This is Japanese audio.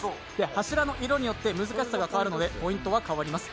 柱の色によって難しさが変わるのでポイントが変わります。